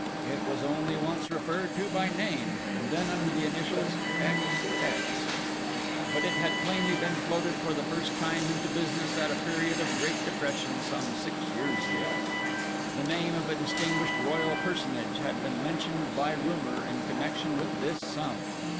It was only once referred to by name, and then under the initials "X. X."; but it had plainly been floated for the first time into the business at a period of great depression some six years ago. The name of a distinguished Royal personage had been mentioned by rumour in connection with this sum.